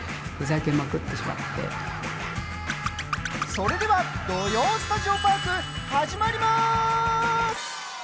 それでは「土曜スタジオパーク」始まります！